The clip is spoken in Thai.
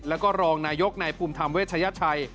แล้วก็รองนายกในภูมิธรรมเวชยชัย